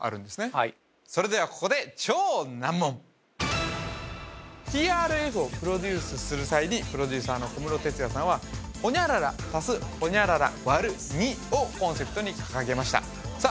はいそれではここでＴＲＦをプロデュースする際にプロデューサーの小室哲哉さんは○○＋○○÷２をコンセプトに掲げましたさあ